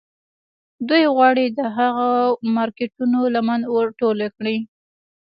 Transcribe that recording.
دوی غواړي د هغو مارکيټونو لمن ور ټوله کړي.